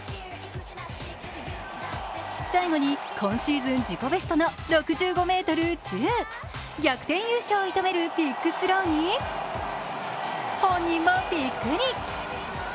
最後に、今シーズン自己ベストの６５ｍ１０。逆転優勝を射止めるビッグスローに本人もびっくり。